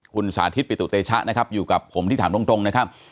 คุณสาธิตปิตุเตชะนะครับอยู่กับผมที่ถามตรงนะครับ